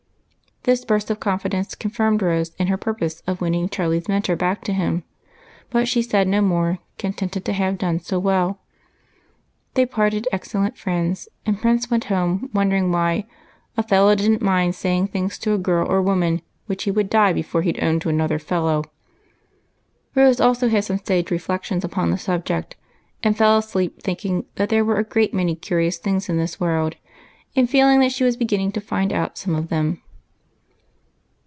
This burst of confidence confirmed Rose in her pur pose of winning Charlie's Mentor back to him, but she said no more, contented to have done so well. They parted excellent friends, and Prince went home, won dering why " a fellow did n't mind saying things to a girl or woman which they would die before they 'd own to another fellow." Rose also had some sage reflections upon the sub ject, and fell asleep thinking that there were a great many curious things in this world, and feeling that she was beginning to find out some of them.